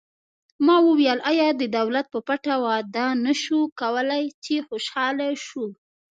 ما وویل: آیا د دولت په پټه واده نه شو کولای، چې خوشحاله شو؟